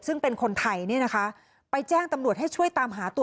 ซึ่งเป็นคนไทยเนี่ยนะคะไปแจ้งตำรวจให้ช่วยตามหาตัว